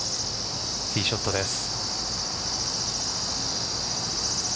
ティーショットです。